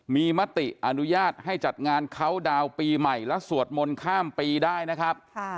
มีมติอนุญาตให้จัดงานเขาดาวน์ปีใหม่และสวดมนต์ข้ามปีได้นะครับ